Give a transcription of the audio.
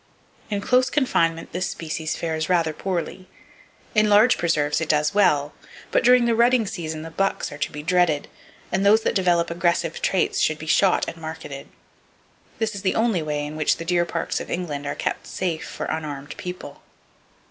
In close confinement this species fares rather poorly. In large preserves it does well, but during the rutting season the bucks are to be dreaded; and those that develop aggressive traits should be shot and marketed. This is the only way in which the deer parks of England are kept safe for unarmed people.